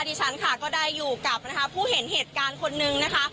ดิฉันค่ะก็ได้อยู่กับนะคะผู้เห็นเหตุการณ์คนนึงนะคะ